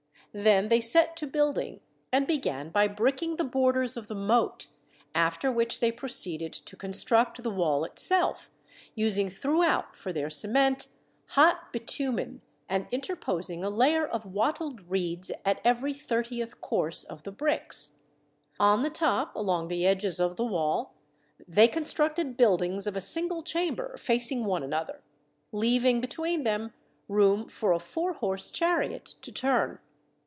Then they set to building, and began by bricking the borders of the moat, after which they proceeded to construct the wall itself, using through out for their cement hot bitumen, and interposing a layer of wattled reeds at every thirtieth course of the bricks. On the top, along the edges of the wall, they constructed buildings of a single chamber facing one another, leaving between them room for a four horse chariot to turn.